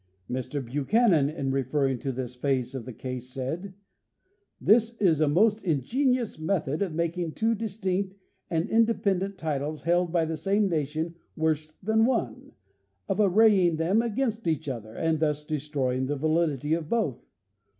Mr Buchanan, in referring to this phase of the case, said: 'This isa most ingenious method of making two distinct and inde pendent titles held by the same nation worse than one—of arraying them against each other and thus destroying the validity of both.